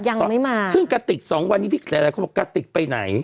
ยังไม่มาซึ่งกระติกสองวันนี้ที่หลายหลายคนบอกกะติกไปไหน